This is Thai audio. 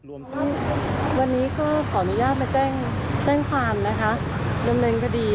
วันนี้ก็ขออนุญาตมาแจ้งความนะคะดำเนินคดี